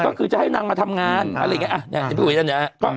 ก็คือจะให้นางมาทำงานอะไรอย่างนี้อ่ะเดี๋ยวพี่อุ๋ยกันเดี๋ยวอ่ะ